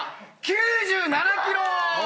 ９７キロ！